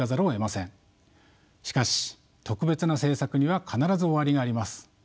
しかし特別な政策には必ず終わりがあります。